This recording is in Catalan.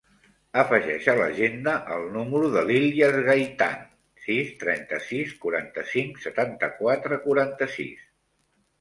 Afegeix a l'agenda el número de l'Ilyas Gaitan: sis, trenta-sis, quaranta-cinc, setanta-quatre, quaranta-sis.